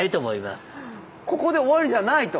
ここで終わりじゃないと。